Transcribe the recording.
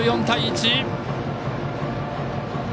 １４対１。